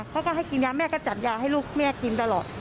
เขาก็ให้กินยาแม่ก็จัดยาให้ลูกแม่กินตลอด